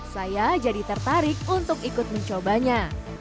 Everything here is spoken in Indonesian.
saya jadi tertarik untuk ikut mencobanya